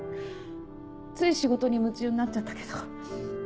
つい仕事に夢中になっちゃったけど。